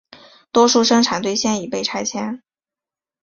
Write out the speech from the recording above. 多数生产队现已被拆迁。